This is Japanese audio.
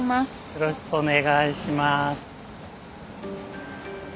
よろしくお願いします。